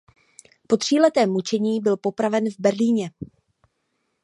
Po tříletém mučení byl popraven v Berlíně.